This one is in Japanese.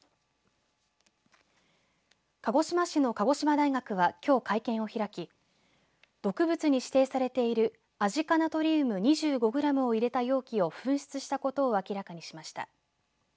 鹿児島市の鹿児島大学はきょう会見を開き毒物に指定されているアジ化ナトリウム２５グラムを入れた容器を紛失したことを明らかにしました。